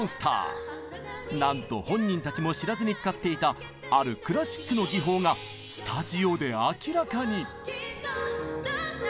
なんと本人たちも知らずに使っていたあるクラシックの技法がスタジオで明らかに！